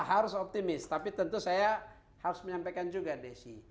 harus optimis tapi tentu saya harus menyampaikan juga desi